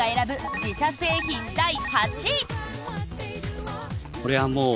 自社製品第８位。